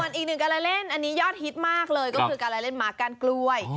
ส่วนอีกหนึ่งการเล่นอันนี้ยอดฮิตมากเลยก็คือการละเล่นมากกั้นกล้วย